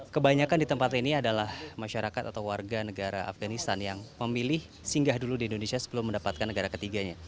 kebanyakan di tempat ini adalah masyarakat atau warga negara afganistan yang memilih singgah dulu di indonesia sebelum mendapatkan negara ketiganya